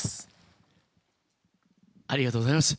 ありがとうございます。